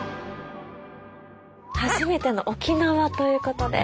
初めての沖縄ということで。